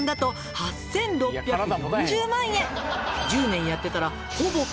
「１０年やってたら」